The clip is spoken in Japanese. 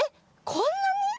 こんなに？